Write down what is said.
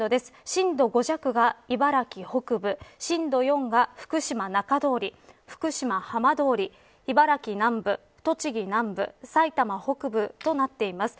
震度５弱が茨城北部震度４が福島中通り福島浜通り茨城南部、栃木南部埼玉北部となっています。